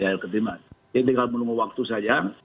jadi tinggal menunggu waktu saja